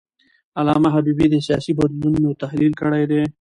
علامه حبیبي د سیاسي بدلونونو تحلیل کړی دی.